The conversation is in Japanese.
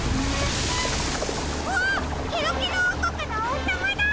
あっケロケロおうこくのおうさまだ！